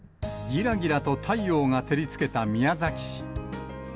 ぎらぎらと太陽が照りつけた宮崎市。